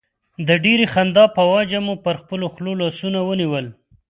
د ډېرې خندا په وجه مو پر خپلو خولو لاسونه ونیول.